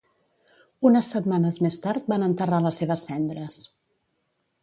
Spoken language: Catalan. Unes setmanes més tard van enterrar les seves cendres.